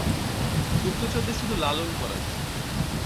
গুপ্তচরদের শুধু লালন করা যায়।